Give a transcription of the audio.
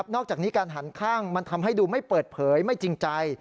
นอกจากนี้การหันข้างมันทำให้ดูไม่เปิดเผยไม่จริงใจ